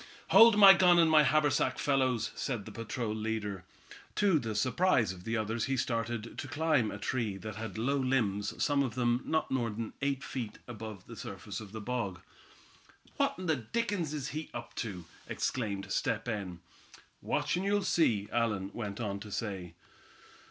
"Hold my gun and my haversack, fellows," said the patrol leader. To the surprise of the others he started to climb a tree that had low limbs some of them not more than eight feet above the surface of the bog. "What in the dickens is he up to?" exclaimed Step Hen. "Watch, and you'll see," Allan went on to say.